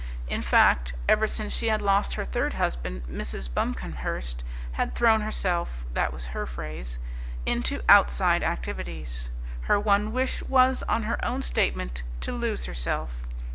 In fact, ever since she had lost her third husband, Mrs. Buncomhearst had thrown herself that was her phrase into outside activities. Her one wish was, on her own statement, to lose herself.